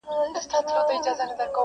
بدوي ټولنه توره څېره لري ډېر،